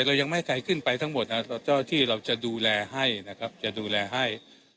เรายังไม่ให้ใครขึ้นไปทั้งหมดเจ้าที่เราจะดูแลให้นะครับจะดูแลให้